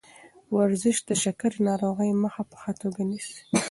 ورزش د شکرې ناروغۍ مخه په ښه توګه نیسي.